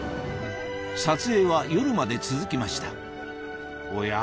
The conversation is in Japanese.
撮影は夜まで続きましたおや？